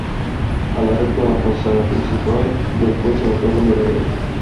A la dreta de la façana principal hi ha el cos de la torre mirador.